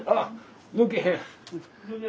抜けへん。